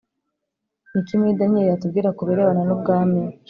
Ni iki muri daniyeli hatubwira ku birebana n ubwami